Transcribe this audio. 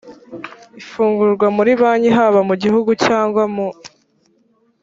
ifungurwa muri banki haba mu gihugu cyangwa mu